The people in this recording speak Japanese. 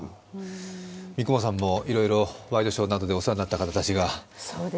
三雲さんもいろいろワイドショーなどでお世話になった方たちが。